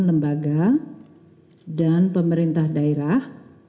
lembaga dan pemerintah daerah